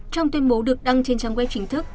trong tuyên bố được đăng trên trang web chính thức